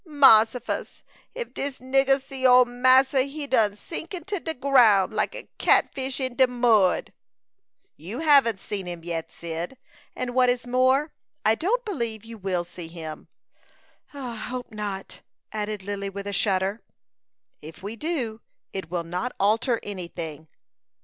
"Mossifus! If dis nigger see ole massa, he done sink into de ground, like a catfish in de mud." "You haven't seen him yet, Cyd; and what is more, I don't believe you will see him." "I hope not," added Lily, with a shudder. "If we do, it will not alter any thing."